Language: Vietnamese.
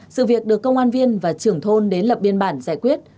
sự việc được công an viên và trưởng thôn đến lập biên bản giải quyết